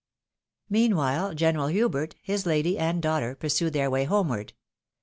Meanwhile, General Hubert, Ms lady and daughter, pur sued their way homeward.